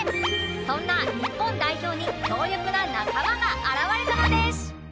そんな日本代表に強力な仲間が現れたのでシュ！